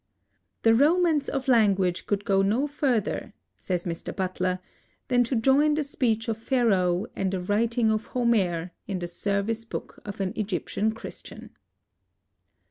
"The romance of language could go no further," says Mr. Butler, "than to join the speech of Pharaoh and the writing of Homer in the service book of an Egyptian Christian."